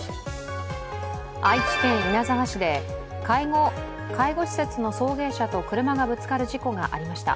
愛知県稲沢市で介護施設の送迎車と車がぶつかる事故がありました。